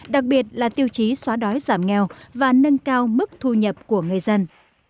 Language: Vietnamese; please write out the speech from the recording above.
thiệt là tiêu chí xóa đói giảm nghèo và nâng cao mức thu nhập của người dân